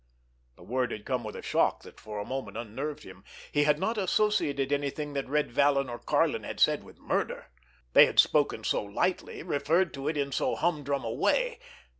The word had come with a shock that for a moment unnerved him. He had not associated anything that Red Vallon or Karlin had said with murder. They had spoken so lightly, referred to it in so humdrum a way.